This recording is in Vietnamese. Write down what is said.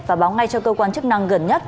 và báo ngay cho cơ quan chức năng gần nhất